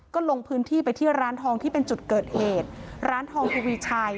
ก็ลงพื้นที่ไปที่ร้านทองที่เป็นจุดเกิดเหตุร้านทองทวีชัย